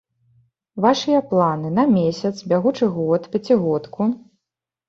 Вашыя планы на месяц, бягучы год, пяцігодку?